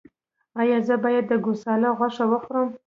ایا زه باید د ګوساله غوښه وخورم؟